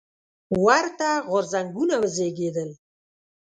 ورته غورځنګونه وزېږېدل.